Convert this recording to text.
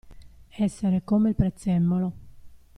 Essere come il prezzemolo.